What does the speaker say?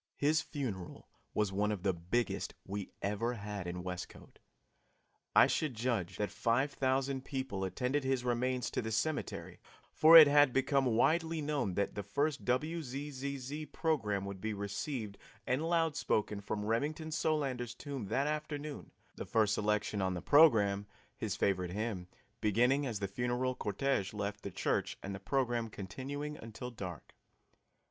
His funeral was one of the biggest we ever had in Westcote. I should judge that five thousand people attended his remains to the cemetery, for it had become widely known that the first WZZZ program would be received and loud spoken from Remington Solander's tomb that afternoon, the first selection on the program his favorite hymn beginning as the funeral cortege left the church and the program continuing until dark.